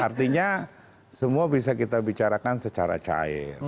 artinya semua bisa kita bicarakan secara cair